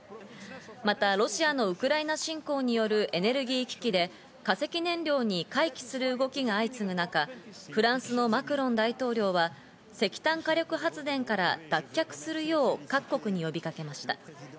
また、ロシアのウクライナ侵攻によるエネルギー危機で化石燃料に回帰する動きが相次ぐ中、フランスのマクロン大統領は石炭火力発電から脱却するよう各国に呼びかけました。